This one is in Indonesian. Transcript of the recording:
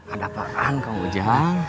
ada apaan kau ujang